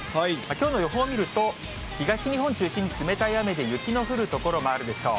きょうの予報見ると、東日本を中心に冷たい雨で、雪の降る所もあるでしょう。